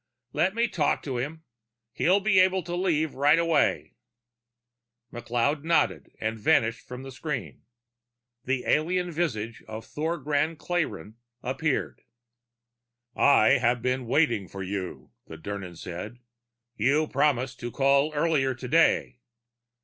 "Let me talk to him. He'll be able to leave right away." McLeod nodded and vanished from the screen. The alien visage of Thogran Klayrn appeared. "I have been waiting for you," the Dirnan said. "You promised to call earlier today.